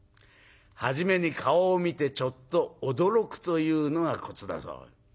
初めに顔を見てちょっと驚くというのがコツだそう。